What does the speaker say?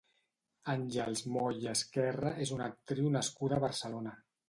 Àngels Moll i Esquerra és una actriu nascuda a Barcelona.